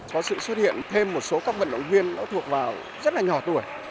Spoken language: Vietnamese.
có sự xuất hiện thêm một số các vận động viên nó thuộc vào rất là nhỏ tuổi